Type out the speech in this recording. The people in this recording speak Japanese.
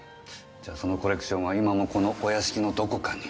じゃそのコレクションは今もこのお屋敷のどこかに。